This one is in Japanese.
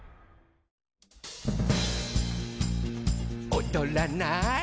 「おどらない？」